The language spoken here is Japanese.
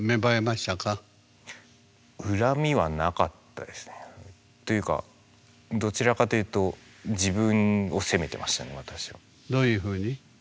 恨みはなかったですね。というかどちらかというとどういうふうに？